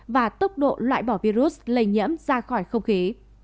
và tốc độ loại bỏ virus lây nhiễm ra khỏi không khí